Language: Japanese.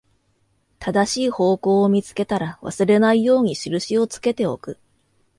正しい方向を見つけたら、忘れないように印をつけておく